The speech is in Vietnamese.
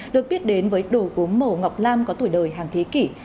được biết đến với đồ gốm màu ngọc lam có tuổi đời hàng thế kỷ